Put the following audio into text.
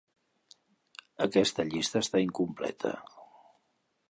Aquesta llista està incompleta.